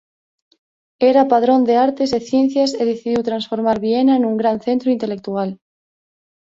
Era padrón de artes e ciencias e decidiu transformar Viena nun gran centro intelectual.